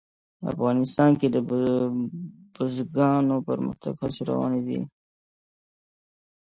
افغانستان کې د بزګانو د پرمختګ هڅې روانې دي.